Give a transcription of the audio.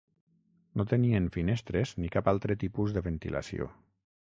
No tenien finestres ni cap altre tipus de ventilació.